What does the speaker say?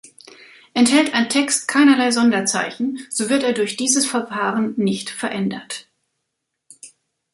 Enthält ein Text keinerlei Sonderzeichen, so wird er durch dieses Verfahren nicht verändert.